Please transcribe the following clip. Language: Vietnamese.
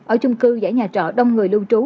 ở chung cư giải nhà trọ đông người lưu trú